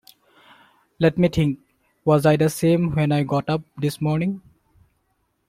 Let me think: was I the same when I got up this morning?